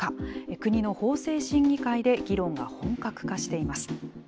国の法制審議会で議論が本格化しています。